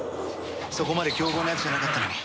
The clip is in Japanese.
そこまで凶暴なやつじゃなかったのに。